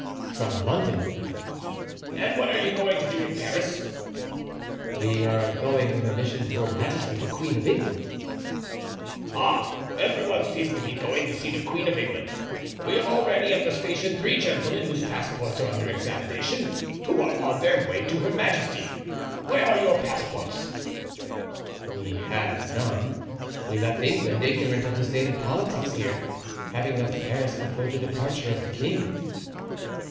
"From London." "And what are you going to do in Paris?" "We are going with a mission to Her Majesty, the Queen of England." "Ah, every one seems to be going to see the queen of England. We have already at the station three gentlemen whose passports are under examination, who are on their way to her majesty. Where are your passports?" "We have none; we left England, ignorant of the state of politics here, having left Paris before the departure of the king."